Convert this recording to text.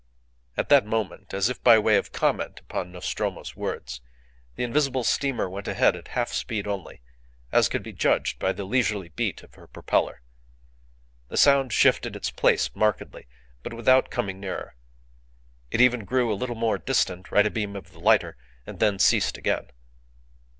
At that moment, as if by way of comment upon Nostromo's words, the invisible steamer went ahead at half speed only, as could be judged by the leisurely beat of her propeller. The sound shifted its place markedly, but without coming nearer. It even grew a little more distant right abeam of the lighter, and then ceased again.